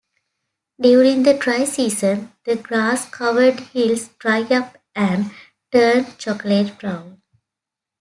During the dry season, the grass-covered hills dry up and turn chocolate brown.